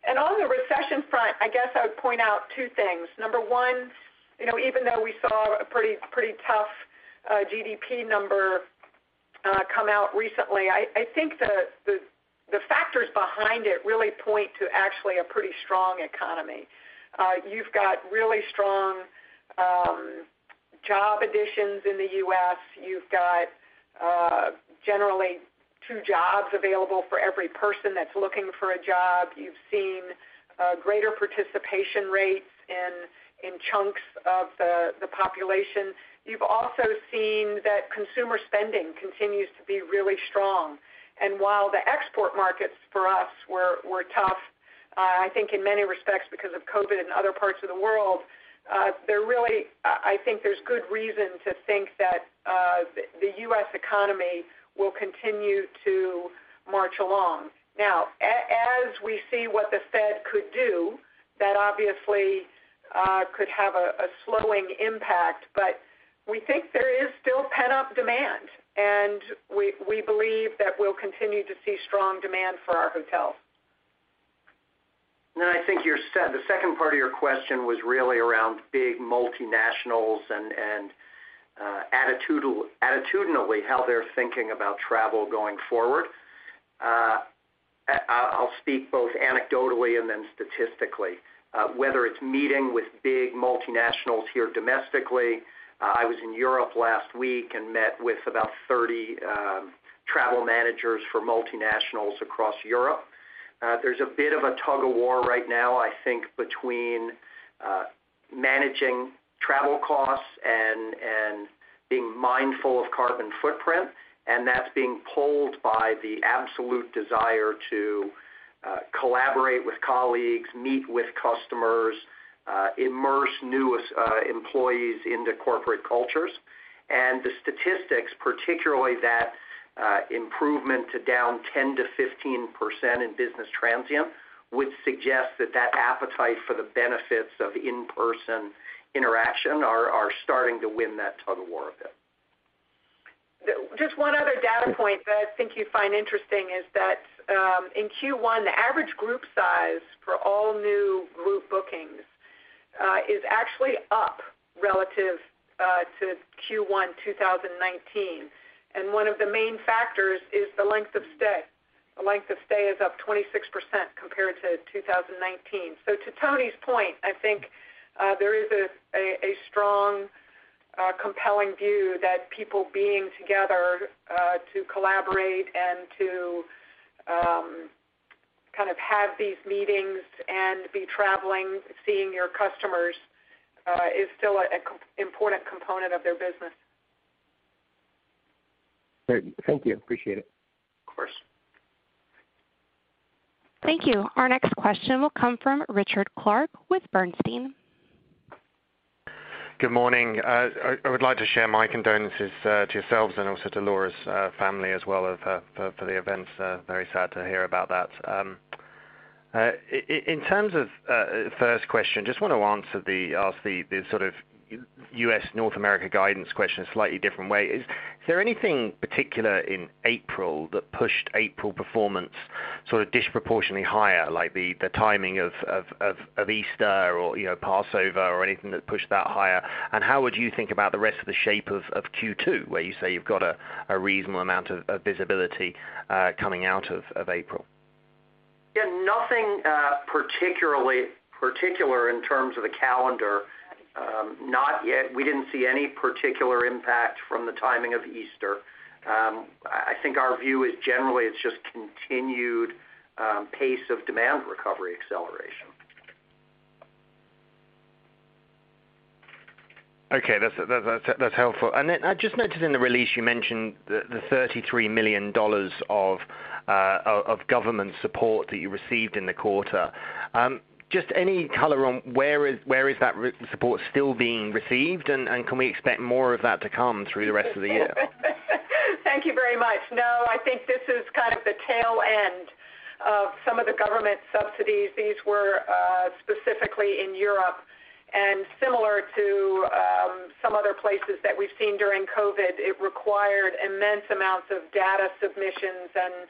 On the recession front, I guess I would point out two things. Number one, you know, even though we saw a pretty tough GDP number come out recently, I think the factors behind it really point to actually a pretty strong economy. You've got really strong job additions in the U.S. You've got generally two jobs available for every person that's looking for a job. You've seen greater participation rates in chunks of the population. You've also seen that consumer spending continues to be really strong. While the export markets for us were tough, I think in many respects because of COVID-19 in other parts of the world, I think there's good reason to think that the U.S. economy will continue to march along. Now, as we see what the Fed could do, that obviously could have a slowing impact, but we think there is still pent-up demand, and we believe that we'll continue to see strong demand for our hotels. I think the second part of your question was really around big multinationals and attitudinally how they're thinking about travel going forward. I'll speak both anecdotally and then statistically. Whether it's meeting with big multinationals here domestically, I was in Europe last week and met with about 30 travel managers for multinationals across Europe. There's a bit of a tug-of-war right now, I think, between managing travel costs and being mindful of carbon footprint, and that's being pulled by the absolute desire to collaborate with colleagues, meet with customers, immerse new employees into corporate cultures. The statistics, particularly that improvement to down 10%-15% in business transient, would suggest that appetite for the benefits of in-person interaction are starting to win that tug-of-war a bit. Just one other data point that I think you'd find interesting is that, in Q1, the average group size for all new group bookings, is actually up relative to Q1 2019. One of the main factors is the length of stay. The length of stay is up 26% compared to 2019. To Tony's point, I think, there is a strong compelling view that people being together to collaborate and to kind of have these meetings and be traveling, seeing your customers, is still an important component of their business. Very good. Thank you. Appreciate it. Of course. Thank you. Our next question will come from Richard Clarke with Bernstein. Good morning. I would like to share my condolences to yourselves and also to Laura's family as well as for the events. Very sad to hear about that. In terms of first question, just want to ask the sort of U.S., North America guidance question a slightly different way. Is there anything particular in April that pushed April performance sort of disproportionately higher, like the timing of Easter or, you know, Passover or anything that pushed that higher? How would you think about the rest of the shape of Q2, where you say you've got a reasonable amount of visibility coming out of April? Yeah, nothing particularly particular in terms of the calendar. Not yet. We didn't see any particular impact from the timing of Easter. I think our view is generally it's just continued pace of demand recovery acceleration. Okay. That's helpful. I just noticed in the release you mentioned the $33 million of government support that you received in the quarter. Just any color on where that support is still being received? Can we expect more of that to come through the rest of the year? Thank you very much. No, I think this is kind of the tail end of some of the government subsidies. These were specifically in Europe. Similar to some other places that we've seen during COVID, it required immense amounts of data submissions and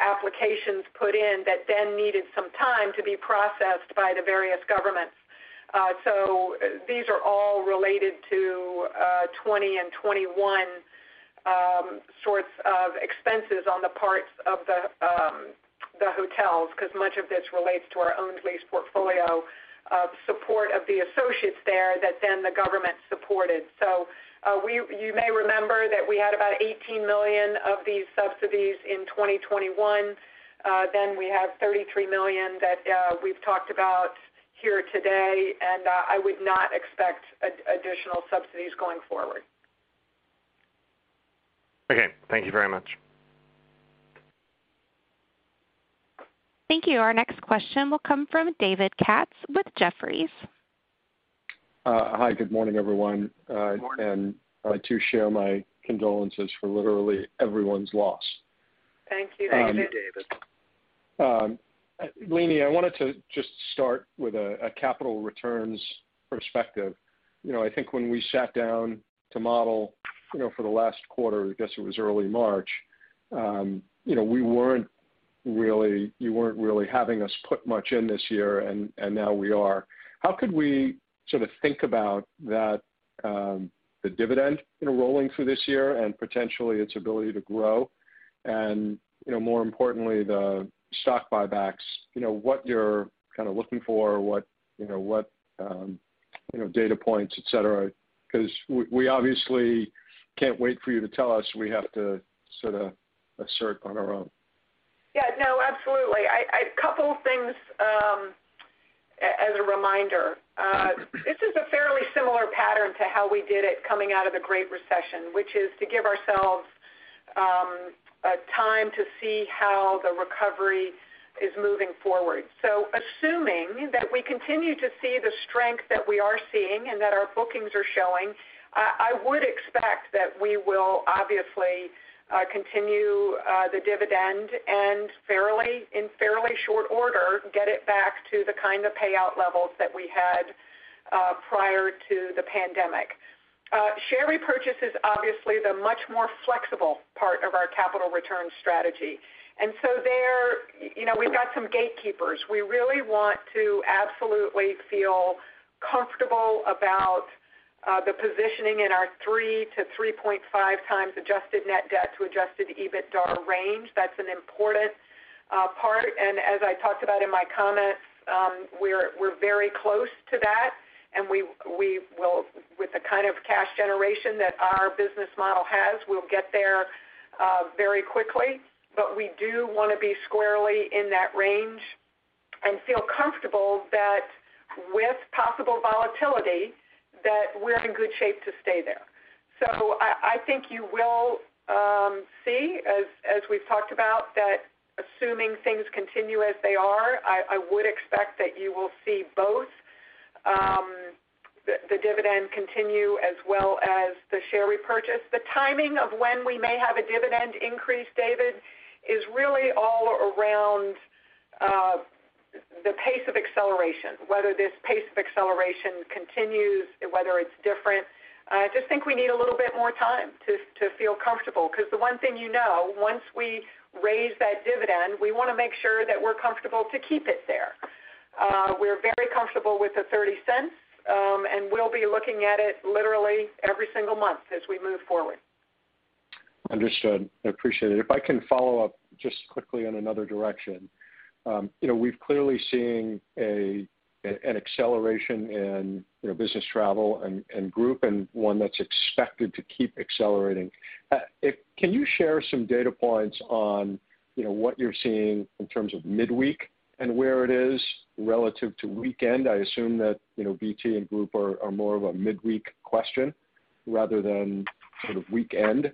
applications put in that then needed some time to be processed by the various governments. These are all related to 2020 and 2021 sorts of expenses on the parts of the the hotels, because much of this relates to our owned lease portfolio of support of the associates there that then the government supported. You may remember that we had about $18 million of these subsidies in 2021. Then we have $33 million that we've talked about here today, and I would not expect additional subsidies going forward. Okay. Thank you very much. Thank you. Our next question will come from David Katz with Jefferies. Hi. Good morning, everyone. Good morning. I too share my condolences for literally everyone's loss. Thank you, David. Leeny, I wanted to just start with a capital returns perspective. You know, I think when we sat down to model, you know, for the last quarter, I guess it was early March, you know, you weren't really having us put much in this year, and now we are. How could we sort of think about that, the dividend enrolling for this year and potentially its ability to grow? You know, more importantly, the stock buybacks, you know, what you're kind of looking for, what, you know, data points, et cetera, because we obviously can't wait for you to tell us. We have to sort of assert on our own. Yeah. No, absolutely. Couple things, as a reminder, this is a fairly similar pattern to how we did it coming out of the Great Recession, which is to give ourselves a time to see how the recovery is moving forward. Assuming that we continue to see the strength that we are seeing and that our bookings are showing, I would expect that we will obviously continue the dividend and in fairly short order, get it back to the kind of payout levels that we had prior to the pandemic. Share repurchase is obviously the much more flexible part of our capital return strategy. There, you know, we've got some gatekeepers. We really want to absolutely feel comfortable about the positioning in our 3x-3.5x adjusted net debt to adjusted EBITDA range. That's an important part. As I talked about in my comments, we're very close to that, and we will with the kind of cash generation that our business model has, we'll get there very quickly. We do want to be squarely in that range and feel comfortable that with possible volatility, that we're in good shape to stay there. I think you will see, as we've talked about, that assuming things continue as they are, I would expect that you will see both the dividend continue as well as the share repurchase. The timing of when we may have a dividend increase, David, is really all around the pace of acceleration, whether this pace of acceleration continues, whether it's different. I just think we need a little bit more time to feel comfortable because the one thing you know, once we raise that dividend, we want to make sure that we're comfortable to keep it there. We're very comfortable with the $0.30, and we'll be looking at it literally every single month as we move forward. Understood. I appreciate it. If I can follow up just quickly in another direction. You know, we've clearly seen an acceleration in you know, business travel and group, and one that's expected to keep accelerating. Can you share some data points on you know, what you're seeing in terms of midweek and where it is relative to weekend? I assume that you know, BT and group are more of a midweek question rather than sort of weekend.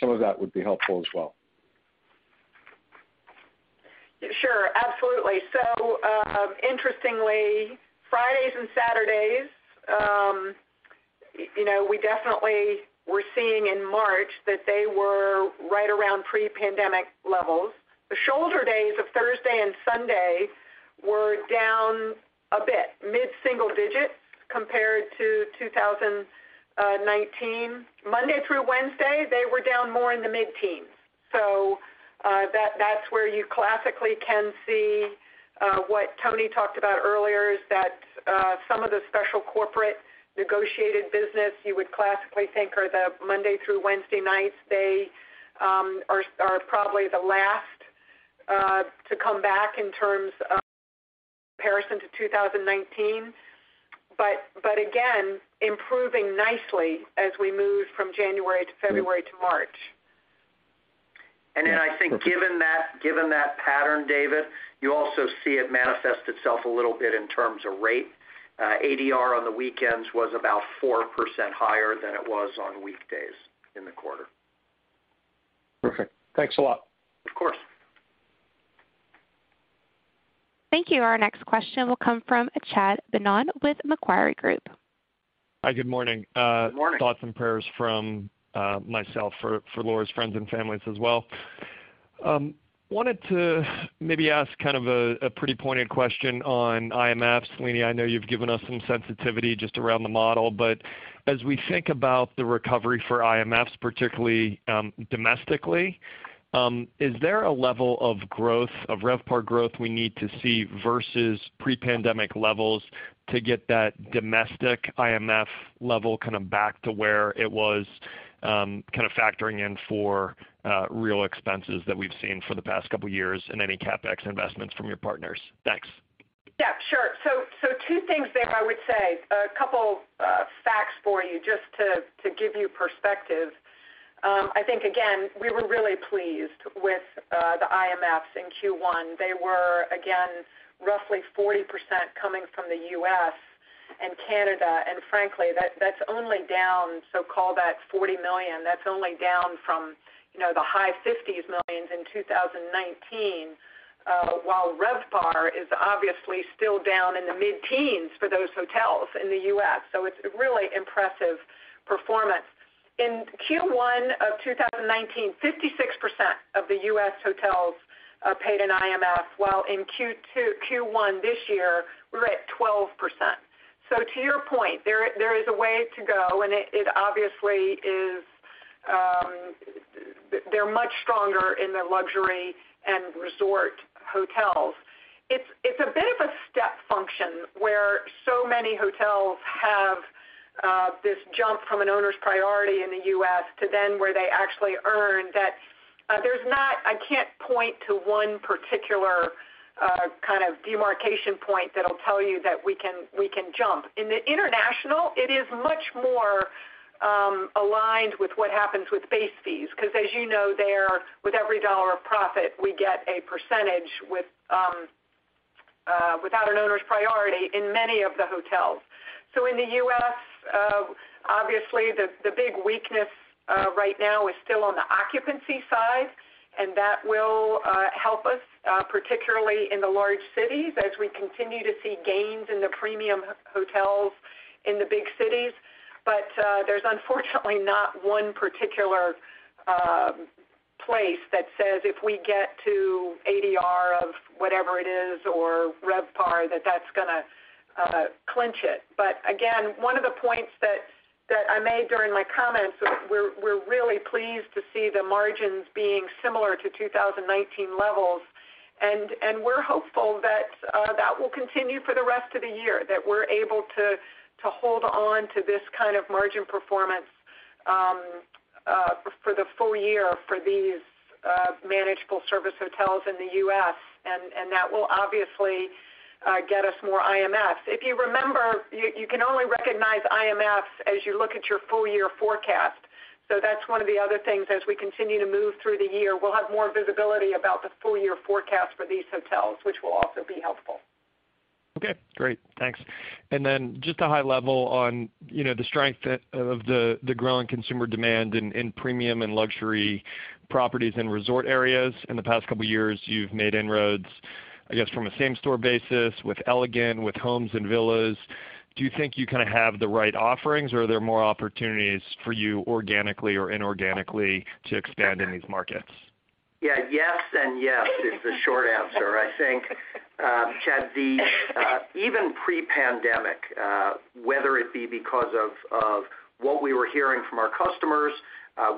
Some of that would be helpful as well. Sure, absolutely. Interestingly, Fridays and Saturdays, you know, we definitely were seeing in March that they were right around pre-pandemic levels. The shoulder days of Thursday and Sunday were down a bit, mid-single digit compared to 2019. Monday through Wednesday, they were down more in the mid-teens. That's where you classically can see what Tony talked about earlier is that some of the special corporate negotiated business you would classically think are the Monday through Wednesday nights, they are probably the last to come back in terms of comparison to 2019. But again, improving nicely as we move from January to February to March. I think given that pattern, David, you also see it manifest itself a little bit in terms of rate. ADR on the weekends was about 4% higher than it was on weekdays in the quarter. Perfect. Thanks a lot. Of course. Thank you. Our next question will come from Chad Beynon with Macquarie Group. Hi, good morning. Good morning. Thoughts and prayers from myself for Laura's friends and families as well. Wanted to maybe ask kind of a pretty pointed question on IMFs. Leeny, I know you've given us some sensitivity just around the model, but as we think about the recovery for IMFs, particularly domestically, is there a level of growth, of RevPAR growth we need to see versus pre-pandemic levels to get that domestic IMF level kind of back to where it was, kind of factoring in for real expenses that we've seen for the past couple years and any CapEx investments from your partners? Thanks. Yeah, sure. Two things there, I would say. A couple facts for you just to give you perspective. I think, again, we were really pleased with the IMFs in Q1. They were, again, roughly 40% coming from the U.S. and Canada. Frankly, that's only down, so call that $40 million, that's only down from, you know, the high 50s million in 2019, while RevPAR is obviously still down in the mid-teens for those hotels in the U.S. It's a really impressive performance. In Q1 of 2019, 56% of the U.S. hotels paid an IMF, while in Q1 this year, we're at 12%. To your point, there is a way to go, and it obviously is, they're much stronger in the luxury and resort hotels. It's a bit of a step function where so many hotels have this jump from an owner's priority in the U.S. to then where they actually earn that. I can't point to one particular kind of demarcation point that'll tell you that we can jump. In the international, it is much more aligned with what happens with base fees, because as you know, there with every dollar of profit, we get a percentage without an owner's priority in many of the hotels. In the U.S., obviously, the big weakness right now is still on the occupancy side, and that will help us particularly in the large cities as we continue to see gains in the premium hotels in the big cities. There's unfortunately not one particular place that says if we get to ADR of whatever it is or RevPAR, that that's gonna clinch it. Again, one of the points that I made during my comments, we're really pleased to see the margins being similar to 2019 levels. We're hopeful that that will continue for the rest of the year, that we're able to hold on to this kind of margin performance for the full year for these managed full-service hotels in the U.S., and that will obviously get us more IMFs. If you remember, you can only recognize IMFs as you look at your full year forecast. That's one of the other things as we continue to move through the year. We'll have more visibility about the full year forecast for these hotels, which will also be helpful. Okay, great. Thanks. Just a high level on, you know, the strength of the growing consumer demand in premium and luxury properties in resort areas. In the past couple of years, you've made inroads, I guess, from a same store basis with Elegant, with Homes & Villas. Do you think you kind of have the right offerings, or are there more opportunities for you organically or inorganically to expand in these markets? Yeah. Yes and yes is the short answer. I think, Chad, the even pre-pandemic, whether it be because of what we were hearing from our customers,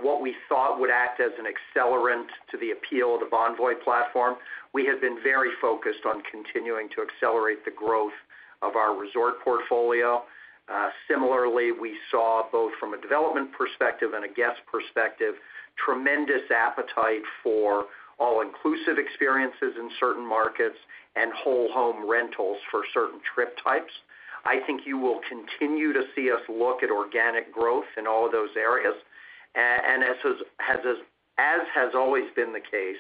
what we thought would act as an accelerant to the appeal of the Bonvoy platform, we have been very focused on continuing to accelerate the growth of our resort portfolio. Similarly, we saw both from a development perspective and a guest perspective, tremendous appetite for all-inclusive experiences in certain markets and whole home rentals for certain trip types. I think you will continue to see us look at organic growth in all of those areas and as has always been the case,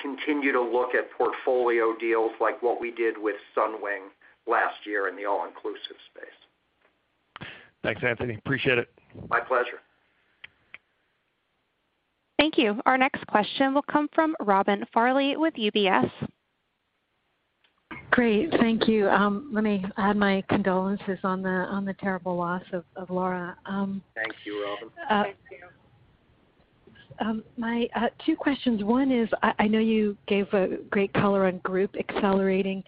continue to look at portfolio deals like what we did with Sunwing last year in the all-inclusive space. Thanks, Anthony. Appreciate it. My pleasure. Thank you. Our next question will come from Robin Farley with UBS. Great. Thank you. Let me add my condolences on the terrible loss of Laura. Thank you, Robin. Thank you. My two questions. One is I know you gave a great color on group accelerating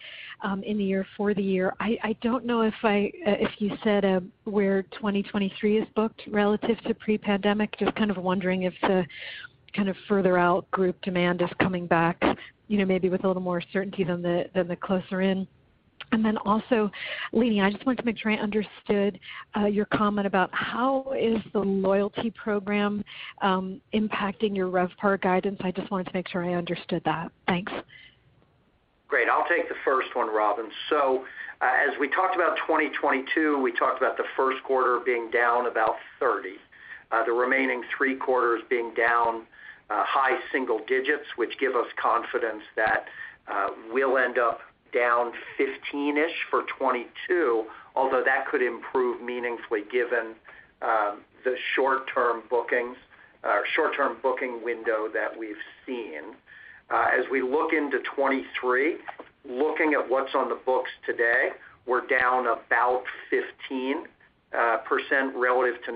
in the year for the year. I don't know if you said where 2023 is booked relative to pre-pandemic. Just kind of wondering if the kind of further out group demand is coming back, you know, maybe with a little more certainty than the closer in. Then also, Leeny, I just wanted to make sure I understood your comment about how the loyalty program impacting your RevPAR guidance. I just wanted to make sure I understood that. Thanks. Great. I'll take the first one, Robin. As we talked about 2022, we talked about the first quarter being down about 30%. The remaining three quarters being down high single digits, which give us confidence that we'll end up down 15%-ish for 2022, although that could improve meaningfully given the short-term bookings or short-term booking window that we've seen. As we look into 2023, looking at what's on the books today, we're down about 15% relative to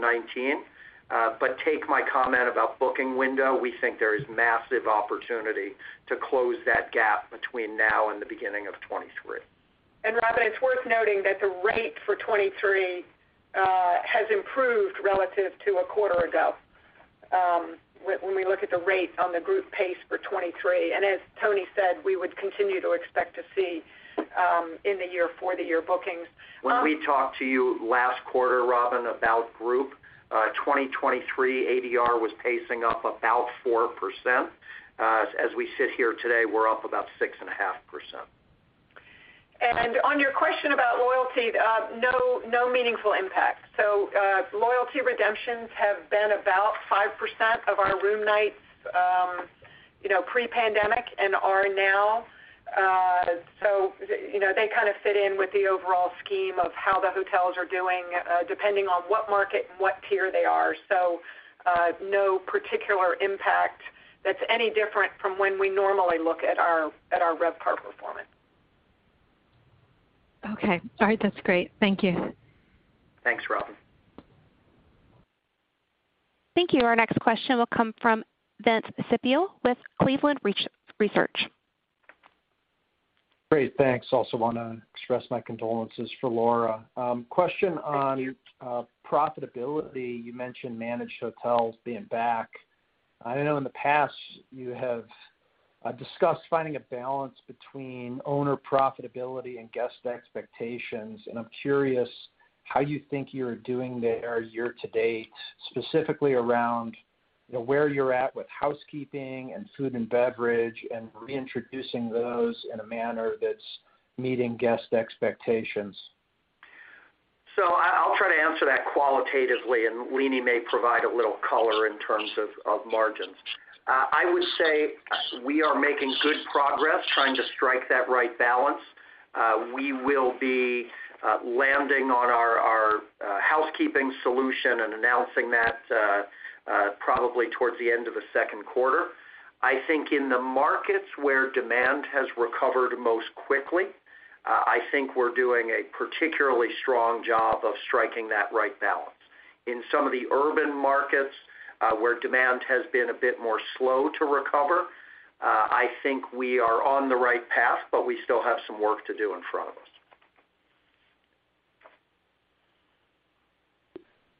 2019. Take my comment about booking window. We think there is massive opportunity to close that gap between now and the beginning of 2023. Robin, it's worth noting that the rate for 2023 has improved relative to a quarter ago, when we look at the rate on the group pace for 2023. As Tony said, we would continue to expect to see in the year for the year bookings. When we talked to you last quarter, Robin, about group, 2023 ADR was pacing up about 4%. As we sit here today, we're up about 6.5%. On your question about loyalty, no meaningful impact. Loyalty redemptions have been about 5% of our room nights, you know, pre-pandemic and are now. You know, they kind of fit in with the overall scheme of how the hotels are doing, depending on what market and what tier they are. No particular impact that's any different from when we normally look at our RevPAR performance. Okay. All right, that's great. Thank you. Thanks, Robin. Thank you. Our next question will come from Vince Ciepiel with Cleveland Research. Great. Thanks. Also wanna express my condolences for Laura. Question on- Thank you. profitability. You mentioned managed hotels being back. I know in the past you have discussed finding a balance between owner profitability and guest expectations, and I'm curious how you think you're doing there year to date, specifically around, you know, where you're at with housekeeping and food and beverage, and reintroducing those in a manner that's meeting guest expectations? I'll try to answer that qualitatively, and Leeny may provide a little color in terms of margins. I would say we are making good progress trying to strike that right balance. We will be landing on our housekeeping solution and announcing that, probably towards the end of the second quarter. I think in the markets where demand has recovered most quickly, I think we're doing a particularly strong job of striking that right balance. In some of the urban markets, where demand has been a bit more slow to recover, I think we are on the right path, but we still have some work to do in front of us.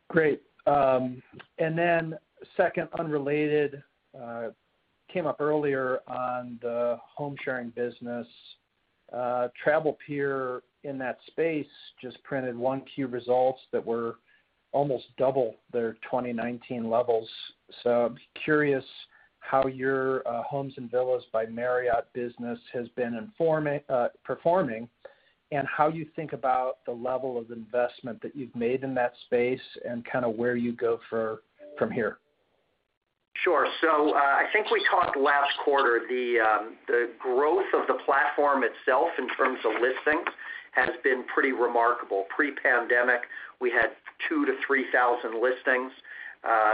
Great. Then second, unrelated, came up earlier on the home sharing business. Travel + Leisure in that space just printed 1Q results that were almost double their 2019 levels. Curious how your Homes & Villas by Marriott business has been performing and how you think about the level of investment that you've made in that space and kinda where you go from here. Sure. I think we talked last quarter, the growth of the platform itself in terms of listings has been pretty remarkable. Pre-pandemic, we had 2,000-3,000 listings.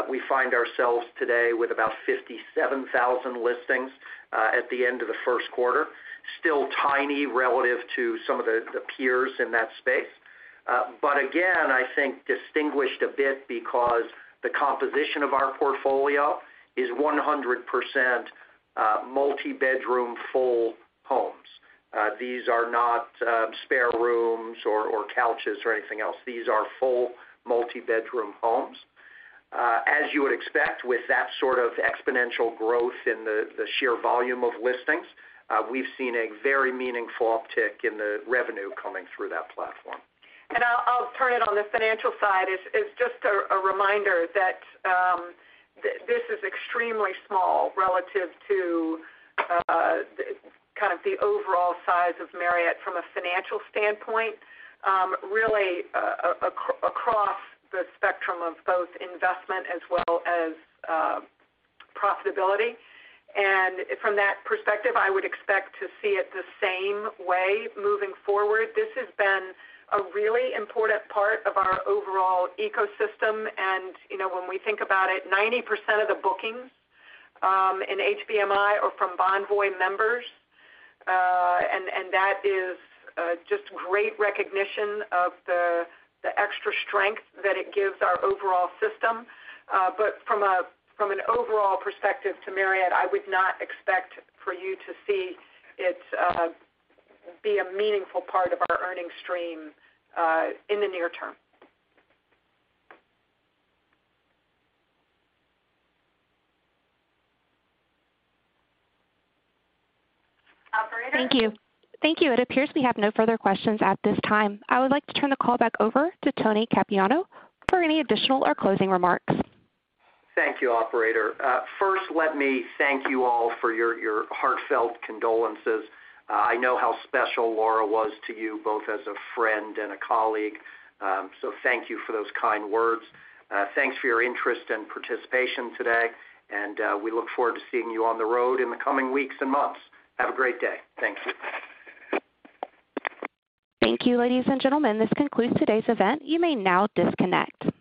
We find ourselves today with about 57,000 listings at the end of the first quarter. Still tiny relative to some of the peers in that space. But again, I think distinguished a bit because the composition of our portfolio is 100% multi-bedroom full homes. These are not spare rooms or couches or anything else. These are full multi-bedroom homes. As you would expect with that sort of exponential growth in the sheer volume of listings, we have seen a very meaningful uptick in the revenue coming through that platform. I'll turn to the financial side. It is just a reminder that this is extremely small relative to kind of the overall size of Marriott from a financial standpoint, really across the spectrum of both investment as well as profitability. From that perspective, I would expect to see it the same way moving forward. This has been a really important part of our overall ecosystem. You know, when we think about it, 90% of the bookings in HVMI are from Bonvoy members, and that is just great recognition of the extra strength that it gives our overall system. But from an overall perspective to Marriott, I would not expect for you to see it be a meaningful part of our earnings stream in the near term. Thank you. Thank you. It appears we have no further questions at this time. I would like to turn the call back over to Tony Capuano for any additional or closing remarks. Thank you, operator. First, let me thank you all for your heartfelt condolences. I know how special Laura was to you, both as a friend and a colleague. Thank you for those kind words. Thanks for your interest and participation today, and we look forward to seeing you on the road in the coming weeks and months. Have a great day. Thank you. Thank you, ladies and gentlemen. This concludes today's event. You may now disconnect.